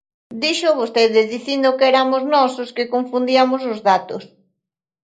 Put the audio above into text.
Díxoo vostede, dicindo que eramos nós os que confundiamos os datos.